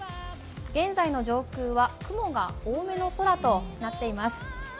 現在の上空は雲が多めの空となっています。